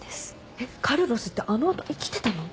えっカルロスってあの後生きてたの？